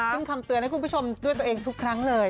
ซึ่งคำเตือนให้คุณผู้ชมด้วยตัวเองทุกครั้งเลย